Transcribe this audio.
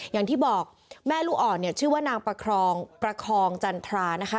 อย่างที่บอกแม่ลูกอ่อนชื่อว่านางประคองจันทรานะคะ